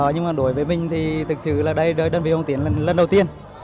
nhưng mà đối với mình thì thực sự là đây đơn vị hồng tiến lần đầu tiên